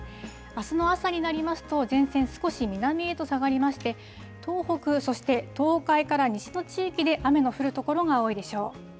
あすの朝になりますと、前線、少し南へと下がりまして、東北、そして東海から西の地域で雨の降る所が多いでしょう。